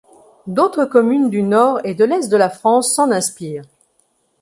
D'autres communes du nord et de l'est de la France s'en inspirent.